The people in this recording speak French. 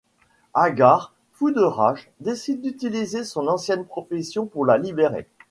Haggar, fou de rage, décide d'utiliser son ancienne profession pour la libérer.